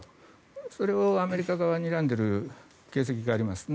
それをアメリカ側にらんでいる形跡がありますね。